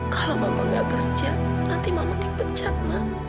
kalau mama gak kerja nanti mama dipecat